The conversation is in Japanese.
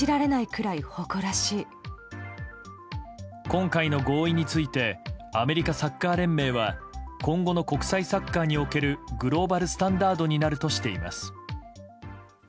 今回の合意についてアメリカサッカー連盟は今後の国際サッカーにおけるグローバルスタンダードになるとしています。